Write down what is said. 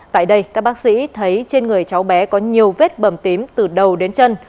tại đây các bác sĩ thấy trên người cháu bé có nhiều vết bầm tím từ đầu đến chân